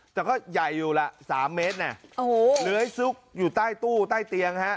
แต่ก็ใหญ่อยู่ละ๓เมตรเนี่ยโอ้โหเลื้อยซุกอยู่ใต้ตู้ใต้เตียงฮะ